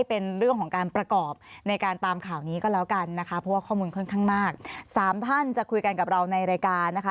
เพราะว่าข้อมูลค่อนข้างมาก๓ท่านจะคุยกันกับเราในรายการนะคะ